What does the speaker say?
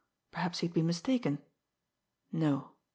Perhaps he had been mistaken. No!